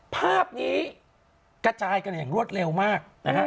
ภาพนี้กระจายกันอย่างรวดเร็วมากนะฮะ